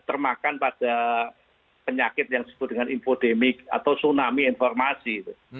termakan pada penyakit yang disebut dengan infodemik atau tsunami informasi